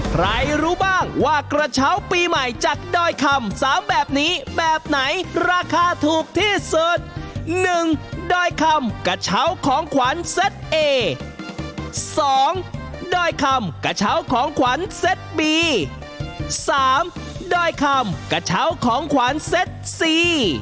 ใครรู้บ้างว่ากระเช้าปีใหม่จากดอยคำสามแบบนี้แบบไหนราคาถูกที่สุด๑ดอยคำกระเช้าของขวัญเซ็ตเอสองดอยคำกระเช้าของขวัญเซ็ตบีสามดอยคำกระเช้าของขวัญเซ็ตซี